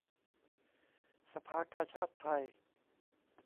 สภากาชาดไทย